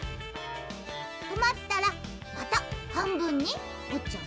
とまったらまたはんぶんにおっちゃうの？